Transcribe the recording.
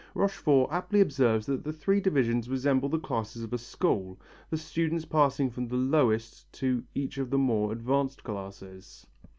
Rochefort aptly observes that the three divisions resemble the classes of a school, the students passing from the lowest to each of the more advanced classes.